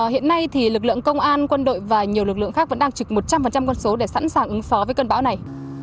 hiện nay thì lực lượng công an quân đội và nhiều lực lượng khác vẫn đang trực một trăm linh quân số để sẵn sàng ứng phó với cơn bão này